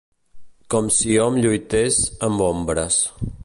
Com si hom lluités amb ombres.